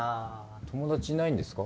友達いないんですか？